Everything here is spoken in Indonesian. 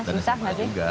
dan sma juga